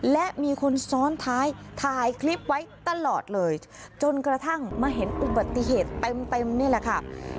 และมีคนซ้อนท้ายถ่ายคลิปไว้ตลอดเลยจนกระทั่งมาเห็นอุบัติเหตุเต็มนี่แหละค่ะ